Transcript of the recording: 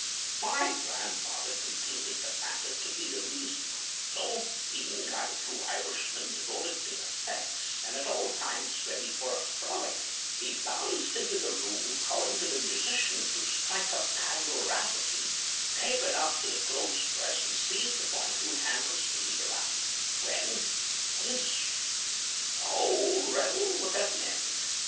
My grandfather concluded the latter to be the reason; so, being, like a true Irishman, devoted to the sex, and at all times ready for a frolic, he bounced into the room, calling to the musician to strike up "Paddy O'Rafferty," capered up to the clothes press and seized upon two handles to lead her out: When, whizz! the whole revel was at an end.